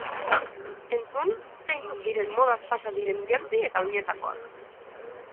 Entzun zeintzuk diren modaz pasa diren jantzi eta oinetakoak.